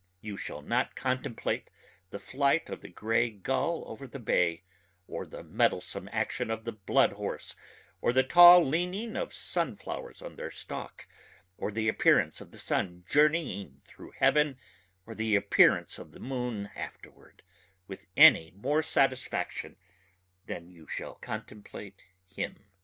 You shall not contemplate the flight of the gray gull over the bay or the mettlesome action of the blood horse or the tall leaning of sunflowers on their stalk or the appearance of the sun journeying through heaven or the appearance of the moon afterward with any more satisfaction than you shall contemplate him.